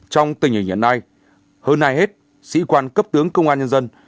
trong tình hình hiện nay hơn ai hết sĩ quan cấp tướng công an nhân dân